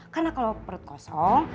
karena kalau perut kosong